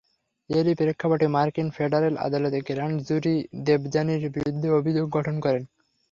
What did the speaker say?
এরই প্রেক্ষাপটে মার্কিন ফেডারেল আদালতের গ্র্যান্ড জুরি দেবযানীর বিরুদ্ধে অভিযোগ গঠন করেন।